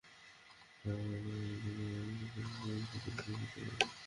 আমরা যখন ওয়াদিউল কুরায় পৌঁছলাম তারা আমার সাথে বিশ্বাসঘাতকতা করল।